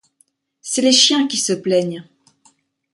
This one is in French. C'est les chiens qui se plaignent.